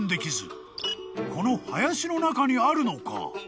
［この林の中にあるのか？］